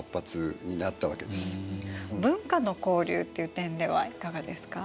文化の交流という点ではいかがですか？